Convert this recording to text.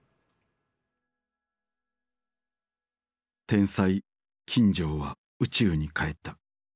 天才金城は宇宙に帰った。